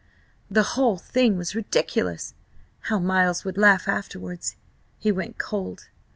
The whole thing was ridiculous; how Miles would laugh afterwards. He went cold.